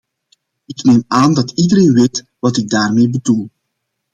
Ik neem aan dat iedereen weet wat ik daarmee bedoel.